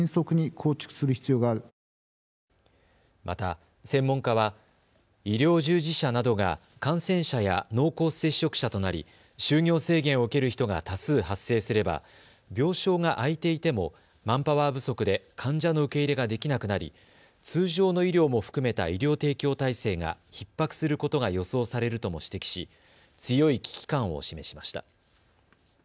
また専門家は医療従事者などが感染者や濃厚接触者となり就業制限を受ける人が多数、発生すれば病床が空いていてもマンパワー不足で患者の受け入れができなくなり通常の医療も含めた医療提供体制がひっ迫することが予想されるとも指摘し強い危機感を示しました。